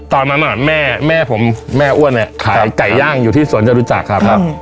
ตอนนั้นแม่ผมแม่อ้วนเนี่ยขายไก่ย่างอยู่ที่สวนจรุจักรครับ